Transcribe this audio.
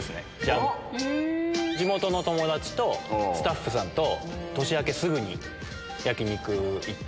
地元の友達とスタッフさんと年明けすぐに焼き肉行って。